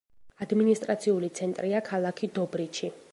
ადმინისტრაციული ცენტრია ქალაქი დობრიჩი.